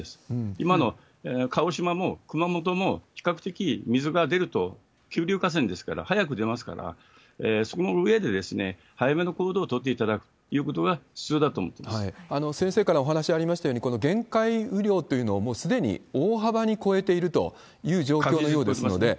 今の鹿児島も熊本も、比較的水が出ると、急流河川ですから、早く出ますから、その上で早めの行動を取っていただくということが必要だと思って先生からお話ありましたように、この限界雨量というのを、もうすでに大幅に超えているという状況のようですので。